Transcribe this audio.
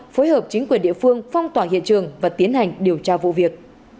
phối hợp chính quyền địa phương phong tỏa hiện trường và tiến hành điều tra vụ việc